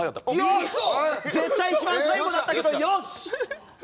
絶対一番最後だったけどよし！